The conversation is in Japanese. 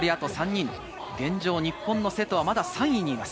現状、日本の勢藤はまだ３位にいます。